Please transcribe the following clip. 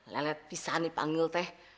lelet pisan dipanggil teh